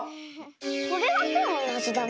これはきょうのなぞだね。